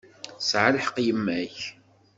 Tesɛa lḥeqq yemma-k.